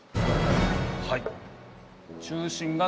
はい。